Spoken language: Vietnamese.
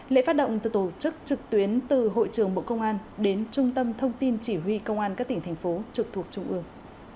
lễ phát động từ tổ chức trực tuyến từ hội trưởng bộ công an đến trung tâm thông tin chỉ huy công an các tỉnh thành phố trực thuộc trung ương